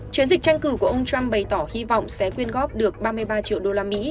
chiến dịch tranh cử của ông trump bày tỏ hy vọng sẽ quyên góp được ba mươi ba triệu usd